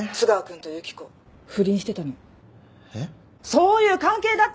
そういう関係だったのよ！